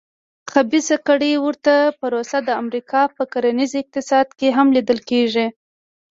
د خبیثه کړۍ ورته پروسه د امریکا په کرنیز اقتصاد کې هم لیدل کېږي.